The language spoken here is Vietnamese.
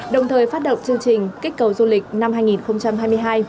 đồng thời phát động chương trình kích cầu du lịch năm hai nghìn hai mươi hai